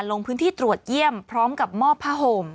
ลงพื้นที่ตรวจเยี่ยมพร้อมกับมอบผ้าห่ม